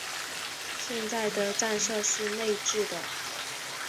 现在的站舍是内置的。